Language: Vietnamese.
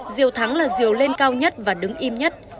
diều thắng là diều lên cao nhất và đứng im nhất